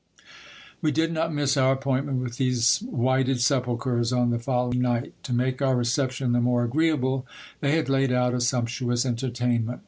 We did not miss our appointment with these whited sepulchres on the fol lowing night. To make our reception the more agreeable, they had laid out a sumptuous entertainment.